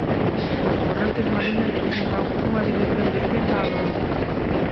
As correntes mariñas presentan unha dirección distinta á do vento.